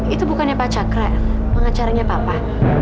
itu bukannya pak cakra pengacaranya papa